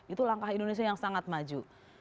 itu langkah indonesia yang sangat maju